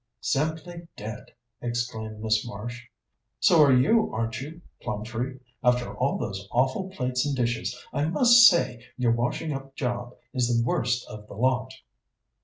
"Simply dead," exclaimed Miss Marsh. "So are you, aren't you, Plumtree, after all those awful plates and dishes I must say your washing up job is the worst of the lot."